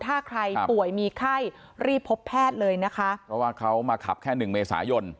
ถ้าใครป่วยมีไข้รีบพบแพทย์เลยนะคะเพราะว่าเขามาขับแค่หนึ่งเมษายน